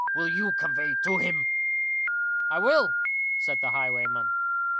Will you convey it to him?" "I will," said the highwayman.